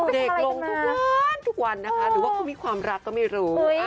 ลงทุกวันทุกวันนะคะหรือว่าเขามีความรักก็ไม่รู้